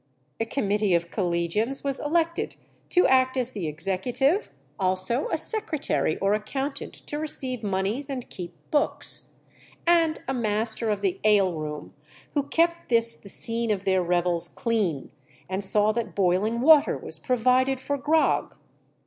A committee of collegians was elected to act as the executive, also a secretary or accountant to receive monies and keep books, and a master of the ale room, who kept this the scene of their revels clean, and saw that boiling water was provided for grog.